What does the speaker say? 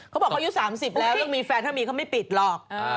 เขาบอกเขาอายุ๓๐แล้วยังมีแฟนถ้ามีเขาไม่ปิดหรอก